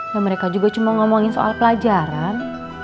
nah mereka juga cuma ngomongin soal pelajaran